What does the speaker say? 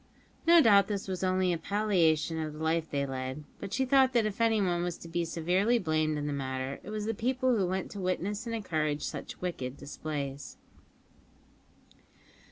No doubt this was only a palliation of the life they led, but she thought that if anyone was to be severely blamed in the matter it was the people who went to witness and encourage such wicked displays.